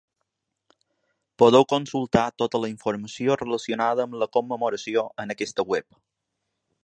Podeu consultar tota la informació relacionada amb la commemoració en aquesta web.